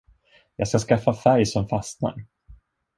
Jag skall skaffa färg som fastnar.